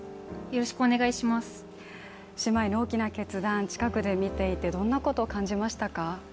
姉妹の大きな決断、近くで見ていてどんなことを感じましたか。